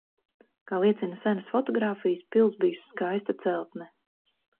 Kā liecina senas fotogrāfijas, pils bijusi skaista celtne.